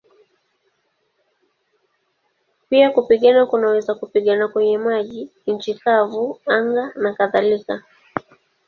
Pia kupigana kunaweza kupigana kwenye maji, nchi kavu, anga nakadhalika.